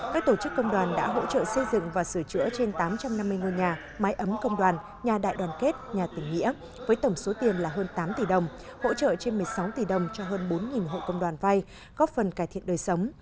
các tổ chức công đoàn đã hỗ trợ xây dựng và sửa chữa trên tám trăm năm mươi ngôi nhà mái ấm công đoàn nhà đại đoàn kết nhà tỉnh nghĩa với tổng số tiền là hơn tám tỷ đồng hỗ trợ trên một mươi sáu tỷ đồng cho hơn bốn hộ công đoàn vay góp phần cải thiện đời sống